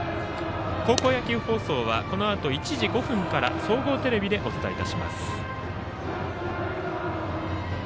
高校野球放送はこのあと１時５分から総合テレビでお伝えいたします。